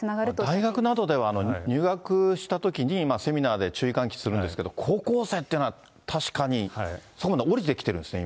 大学などでは、入学したときに、セミナーで注意喚起するんですけど、高校生っていうのは確かに、そういうのが下りてきてるんですね。